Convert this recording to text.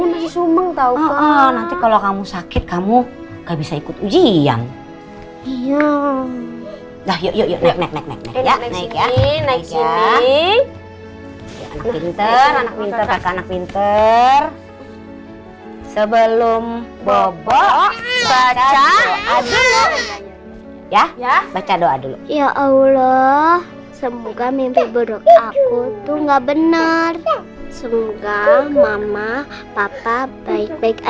ya siapa tau waktu pas saya berangkat elsa sama andien malah sampai disini kan